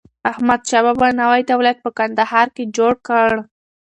احمدشاه بابا نوی دولت په کندهار کي جوړ کړ.